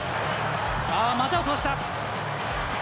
股を通した。